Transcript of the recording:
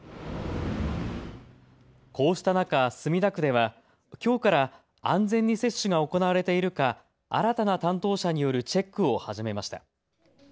こうした中、墨田区ではきょうから安全に接種が行われているか新たな担当者によるチェックを始めました。